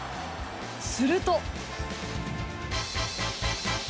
すると。